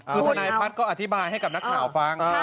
ผู้ชายหน่อยในพัดก็อธิบายให้ทุกนักขาวฟัง